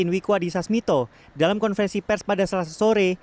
wikwa disasmito dalam konversi pers pada selasa sore